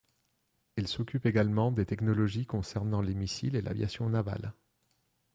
Elle s'occupe également des technologies concernant les missiles et l'aviation navale.